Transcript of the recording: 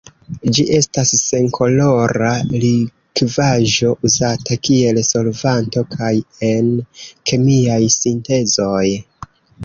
Ĝi estas senkolora likvaĵo uzata kiel solvanto kaj en kemiaj sintezoj.